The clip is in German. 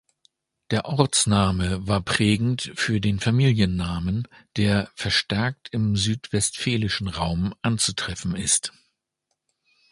Der Ortsname war prägend für den Familiennamen, der verstärkt im südwestfälischen Raum anzutreffen ist.